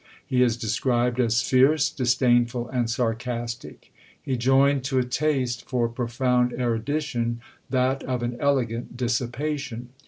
He is described as fierce, disdainful, and sarcastic. He joined to a taste for profound erudition, that of an elegant dissipation.